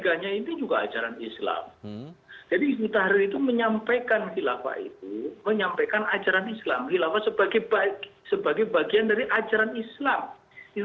karena itu kita harus menghindari tudingan stigmatisasi liberalisasi semacam itu